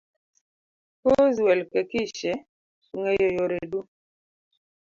Kuz Welkekishe ong'eyo yore du